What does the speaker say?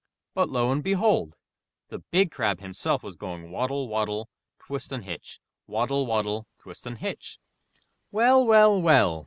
But lo and behold ! the Big Crab himself was going waddle, waddle, twist and hitch ! waddle, waddle, twist and hitch ! ''Well, well, well!'